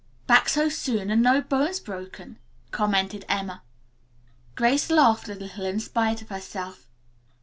"Back so soon and no bones broken," commented Emma. Grace laughed a little in spite of herself.